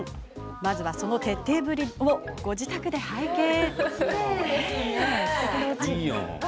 まずは、その徹底ぶりをご自宅で拝見。